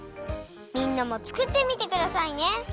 みんなもつくってみてくださいね。